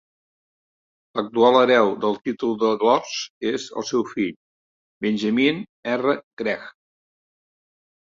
L'actual hereu del títol de Lords és el seu fill, Benjamin R. Gregg.